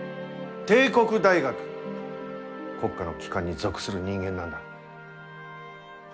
帝国大学国家の機関に属する人間なんだ。